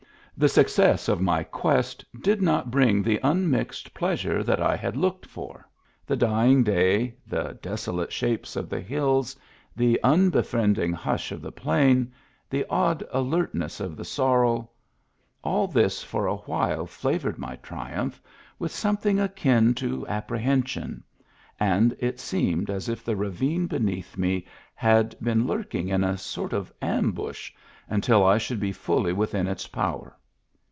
The suc cess of my quest did not bring the unmixed pleas ure that I had looked for; the dying day, the desolate shapes of the hills, the unbefriending hush of the plain, the odd alertness of the sorrel — all this for a while flavored my triumph with something akin to apprehension, and it seemed as if the ravine beneath me had been lurking in a sort of ambush until I should be fully within its power.